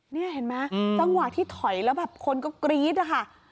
นี่เห็นไหมจังหวะที่ถอยแล้วแบบคนก็กรี๊ดนะคะ